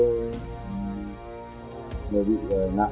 bệnh người bị nạn lực